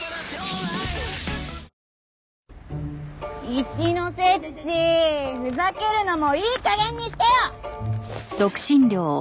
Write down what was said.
一ノ瀬っちふざけるのもいい加減にしてよ！